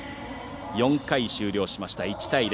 ４回終了しました、１対０。